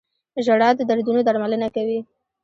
• ژړا د دردونو درملنه کوي.